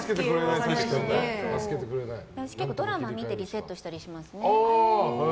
結構、ドラマを見てリセットしたりしますね。